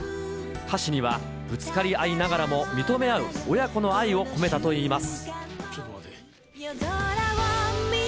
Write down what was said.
歌詞にはぶつかり合いながらも認め合う親子の愛を込めたといいます。